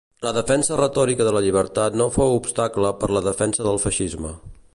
La defensa retòrica de la llibertat no fou obstacle per la defensa del feixisme.